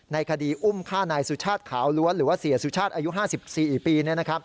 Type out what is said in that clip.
ในคดีอุ้มฆ่านายสุชาติขาวล้วนหรือว่าเสียสุชาติอายุ๕๔ปี